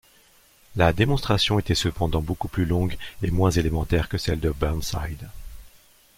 La démonstration était cependant beaucoup plus longue et moins élémentaire que celle de Burnside.